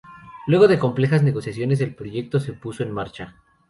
Luego de complejas negociaciones, el proyecto se puso en marcha.